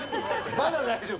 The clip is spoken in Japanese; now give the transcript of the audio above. まだ大丈夫。